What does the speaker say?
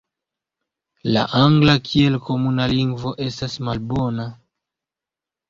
La angla kiel komuna lingvo estas malbona.